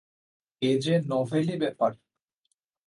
এ যে নভেলি ব্যাপার!